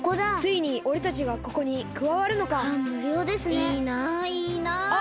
いいなあいいなあ。